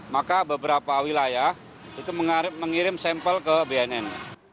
maka beberapa wilayah itu mengirim sampel ke bnn